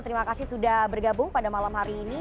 terima kasih sudah bergabung pada malam hari ini